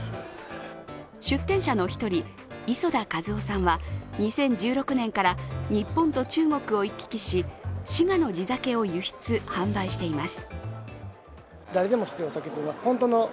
出展者の１人、礒田一男さんは２０１６年から日本と中国を行き来し滋賀の地酒を輸出・販売しています。